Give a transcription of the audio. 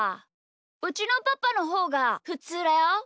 うちのパパのほうがふつうだよ。